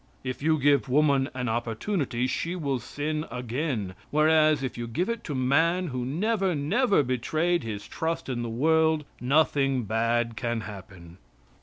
If you give woman an opportunity, she will sin again, whereas if you give it to man, who never, never betrayed his trust in the world, nothing bad can happen.